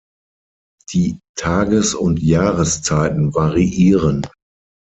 Die Tages- und Jahreszeiten variieren.